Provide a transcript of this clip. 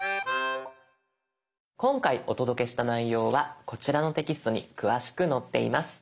今回お届けした内容はこちらのテキストに詳しく載っています。